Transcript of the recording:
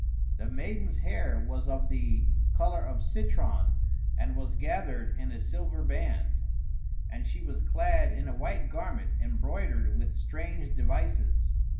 The maiden's hair was of the color of citron and was gathered in a silver band; and she was clad in a white garment embroidered with strange devices.